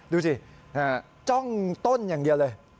ดูสิจ้องต้นอย่างเดียวเลย